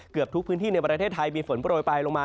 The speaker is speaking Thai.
เกือบทุกพื้นที่ในประเทศไทยมีฝนโปรยไปลงมา